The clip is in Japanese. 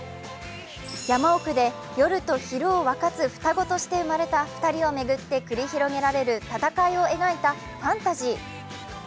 山奥で夜と昼を分かつ双子として生まれた２人を巡って繰り広げられる闘いを描いたファンタジー。